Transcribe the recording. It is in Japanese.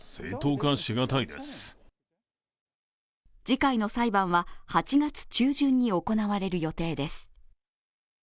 次回の裁判は８月中旬に行われる予定です。